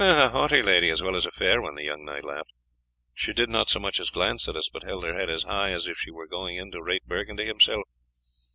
"A haughty lady as well as a fair one," the young knight laughed. "She did not so much as glance at us, but held her head as high as if she were going in to rate Burgundy himself.